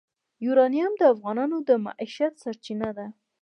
یورانیم د افغانانو د معیشت سرچینه ده.